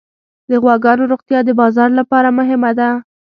د غواګانو روغتیا د بازار لپاره مهمه ده.